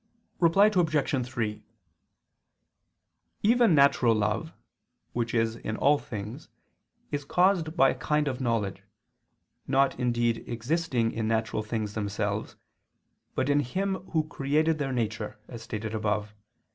Reply Obj. 3: Even natural love, which is in all things, is caused by a kind of knowledge, not indeed existing in natural things themselves, but in Him Who created their nature, as stated above (Q.